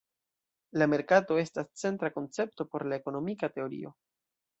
La merkato estas centra koncepto por la ekonomika teorio.